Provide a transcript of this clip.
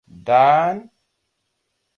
Darn!